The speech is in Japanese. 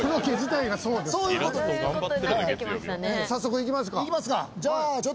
早速行きますか。